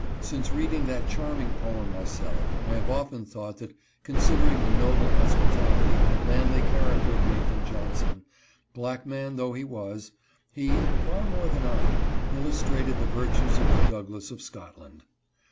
Since reading that charming poem myself, I have often thought that, considering the noble hospitality and manly character of 11 256 POOR WHITE TRASH. Nathan Johnson, black man though he was, he, far more than I, illustrated the virtues of the Douglas of Scotland.